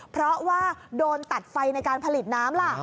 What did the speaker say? เพราะว่าโดนตัดไฟในการผลิตน้ำล่ะ